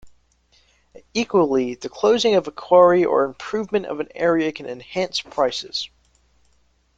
Equally, the closing of a quarry or improvement of an area can enhance prices.